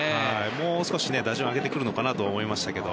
もう少し打順を上げてくるのかなと思いましたが。